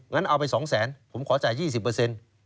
เอาไป๒แสนผมขอจ่าย๒๐เปอร์เซ็นต์